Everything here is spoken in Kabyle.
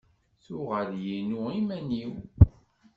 Tuɣal yinu iman-iw.